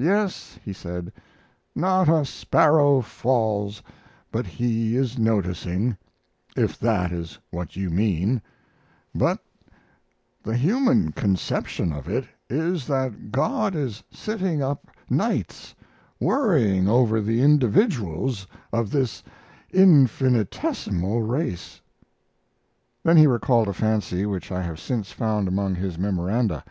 "Yes," he said, "not a sparrow falls but He is noticing, if that is what you mean; but the human conception of it is that God is sitting up nights worrying over the individuals of this infinitesimal race." Then he recalled a fancy which I have since found among his memoranda.